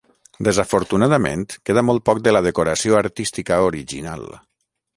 Desafortunadament, queda molt poc de la decoració artística original.